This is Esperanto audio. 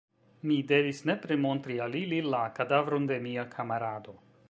Mi devis nepre montri al ili la kadavron de mia kamarado.